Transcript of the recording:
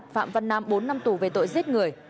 phạm văn nam bốn năm tù về tội giết người